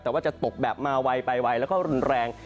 แต่ว่าจะตกแบบมาไวไปไวแล้วก็รุนแรง